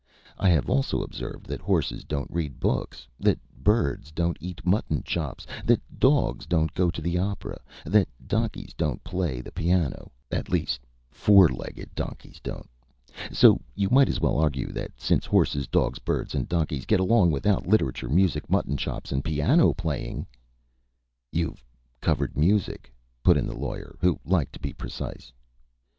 I have also observed that horses don't read books, that birds don't eat mutton chops, that dogs don't go to the opera, that donkeys don't play the piano at least, four legged donkeys don't so you might as well argue that since horses, dogs, birds, and donkeys get along without literature, music, mutton chops, and piano playing " "You've covered music," put in the Lawyer, who liked to be precise.